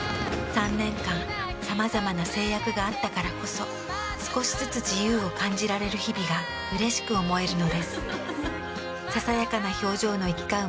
３年間さまざまな制約があったからこそ少しずつ自由を感じられる日々がうれしく思えるのです。